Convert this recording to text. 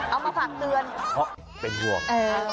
เอามาฝากเตือนเพราะเป็นห่วง